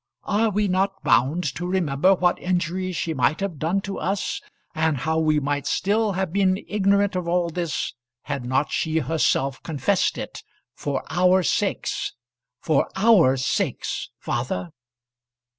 Are we not bound to remember what injury she might have done to us, and how we might still have been ignorant of all this, had not she herself confessed it for our sakes for our sakes, father?"